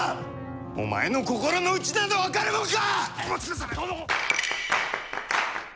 お前の心のうちなど分かるもんか！